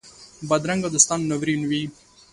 بدرنګه دوستان ناورین وي